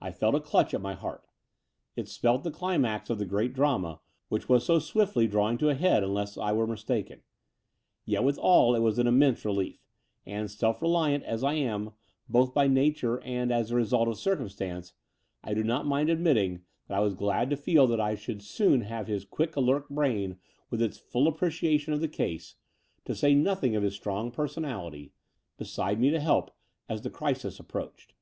I felt a clutch at my heart. It spelt the climax of the great drama, which was so swiftly drawing to a head, unless I were mistaken. Yet withal it was an immense relief: and, self reliant as I am both by nature and as the result of circumstance^ I do not mind admitting that I was glad to feel 176 The Door of the Unreal that I should soon have his quick, alert brain with its full appreciation of the case, to say nothing of bis strong personality, beside me to help as the crisis approached.